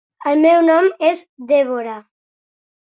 El meu nom és Deborah.